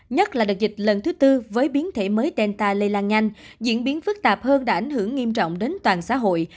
nhất là đợt dịch lần thứ tư với biến thể mới tenta lây lan nhanh diễn biến phức tạp hơn đã ảnh hưởng nghiêm trọng đến toàn xã hội